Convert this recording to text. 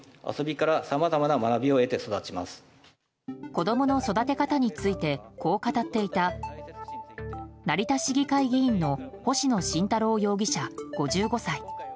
子供の育て方についてこう語っていた成田市議会議員の星野慎太郎容疑者、５５歳。